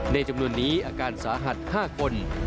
จำนวนนี้อาการสาหัส๕คน